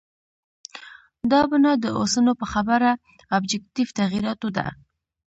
دا بنا د اوسنو په خبره آبجکټیف تغییراتو ده.